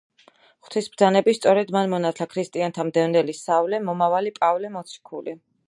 ღვთის ბრძანებით, სწორედ მან მონათლა ქრისტიანთა მდევნელი სავლე, მომავალი პავლე მოციქული.